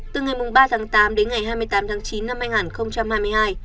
từ ngày ba tháng tám đến ngày hai mươi tám tháng chín năm hai nghìn hai mươi hai